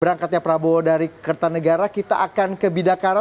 berangkatnya prabowo dari kertanegara kita akan ke bidakara